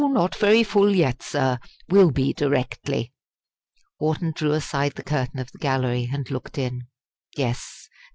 not very full yet, sir will be directly." Wharton drew aside the curtain of the Gallery, and looked in. Yes!